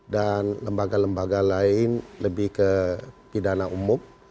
dan lembaga lembaga lain lebih ke pidana umum